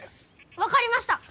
分かりました。